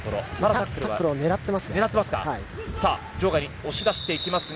タックルを狙っていますね。